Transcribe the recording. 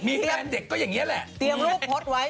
มีแฟนเด็กก็อย่างนี้แหละ